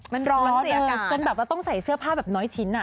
มันร้อนเสียอากาศจนแบบเราต้องใส่เสื้อผ้าแบบน้อยชิ้นอะ